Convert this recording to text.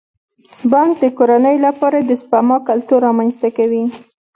بانک د کورنیو لپاره د سپما کلتور رامنځته کوي.